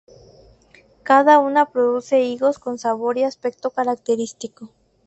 Cada una produce higos con sabor y aspecto característico.